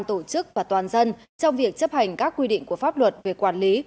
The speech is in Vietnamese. tổ chức và toàn dân trong việc chấp hành các quy định của pháp luật về quản lý